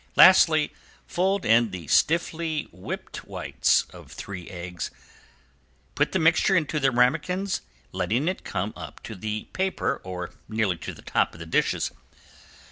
Lastly fold in the stiffly whipped whites of three eggs. Put the mixture into the ramequins letting it come up to the paper or nearly to the top of the dishes.